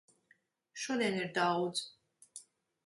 Šodien ir daudz.